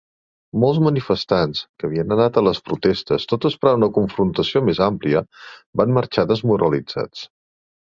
Molts manifestants, que havien anat a les protestes tot esperant una confrontació més àmplia, van marxar desmoralitzats.